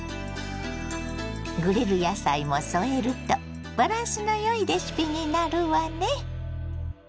グリル野菜も添えるとバランスのよいレシピになるわね。